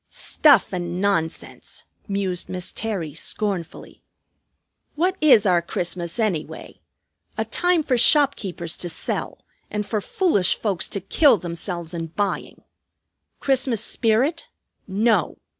"Stuff and nonsense!" mused Miss Terry scornfully. "What is our Christmas, anyway? A time for shopkeepers to sell and for foolish folks to kill themselves in buying. Christmas spirit? No!